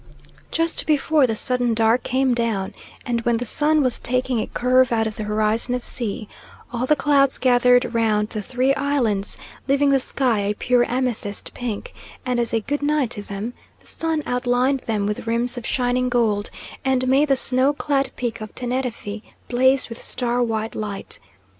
Just before the sudden dark came down, and when the sun was taking a curve out of the horizon of sea, all the clouds gathered round the three islands, leaving the sky a pure amethyst pink, and as a good night to them the sun outlined them with rims of shining gold, and made the snow clad Peak of Teneriffe blaze with star white light.